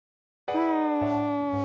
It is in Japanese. うん。